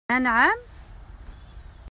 AnƐam?